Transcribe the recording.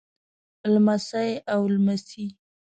لمسۍ او لمسى